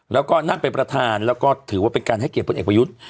แล้วก็นั่งเป็นประธานแล้วก็ถือว่าเป็นการให้เกียรติพลเอกประยุทธ์